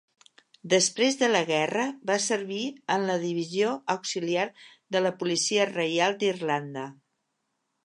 Després de la guerra, va servir en la Divisió Auxiliar de la Policia Reial d'Irlanda.